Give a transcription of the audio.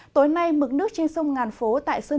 tối nay mực nước trên sông ngàn phố tại sơn